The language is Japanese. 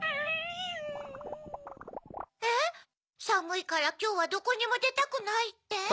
「さむいからきょうはどこにもでたくない」って？